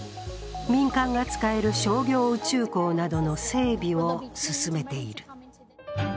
民間が使える商業宇宙港などの整備を進めている。